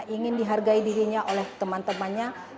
ingin dihargai dirinya oleh teman temannya